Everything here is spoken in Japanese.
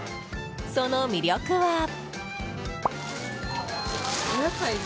その魅力は。